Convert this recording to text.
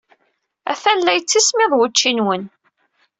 Atan la yettismiḍ wučči-nwen.